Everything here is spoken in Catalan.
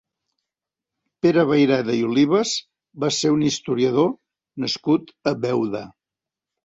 Pere Vayreda i Olivas va ser un historiador nascut a Beuda.